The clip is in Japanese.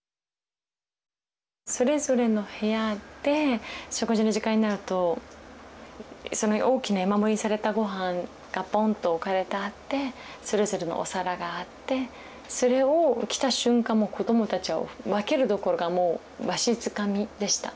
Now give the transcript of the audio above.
それぞれの部屋で食事の時間になるとその大きな山盛りにされたごはんがポンと置かれてあってそれぞれのお皿があってそれを来た瞬間子どもたちは分けるどころかもうわしづかみでした。